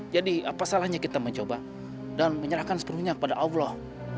jadi apa salahnya kita mencoba dan menyerahkan semuanya kepada allah